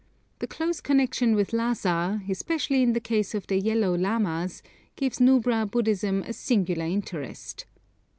The close connection with Lhassa, especially in the case of the yellow lamas, gives Nubra Buddhism a singular interest.